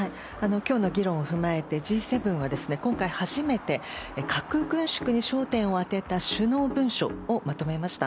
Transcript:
今日の議論を踏まえてＧ７は今回初めて核軍縮に焦点を当てた首脳文書をまとめました。